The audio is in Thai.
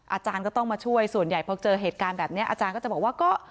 อาจารย์ก็ต้องมาช่วยส่วนใหญ่พอเจอเหตุการณ์แบบนี้อาจารย์ก็จะบอกว่าก็